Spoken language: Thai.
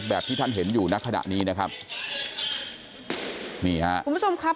ที่ท่านเห็นอยู่ในขณะนี้นะครับนี่ฮะคุณผู้ชมครับ